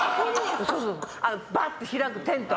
ばって開く、テント。